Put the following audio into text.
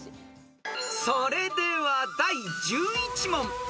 ［それでは第１１問］